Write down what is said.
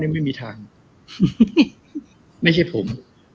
ไม่มีทางไม่ใช่ผม